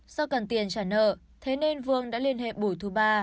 do cần tiền trả nợ thế nên vương đã liên hệ buổi thứ ba